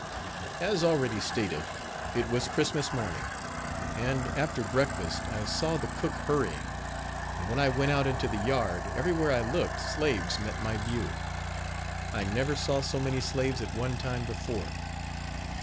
As already stated, it was Christmas morning, and, after breakfast, I saw the cook hurrying, and when I went out into the yard, everywhere I looked slaves met my view. I never saw so many slaves at one time before.